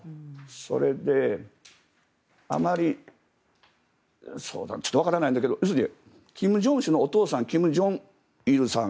それで、あまりちょっとわからないんだけど金正恩総書記のお父さん金正日さん